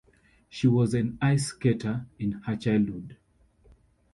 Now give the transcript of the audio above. She was an ice skater in her childhood.